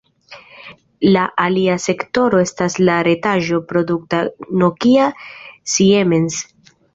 La alia sektoro estas la retaĵo-produkta Nokia-Siemens.